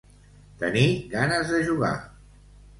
Tenir ganes de jugar.